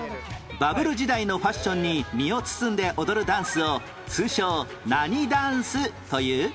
バブル時代のファッションに身を包んで踊るダンスを通称何ダンスという？